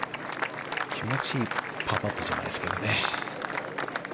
気持ちいいパーパットじゃないですかね。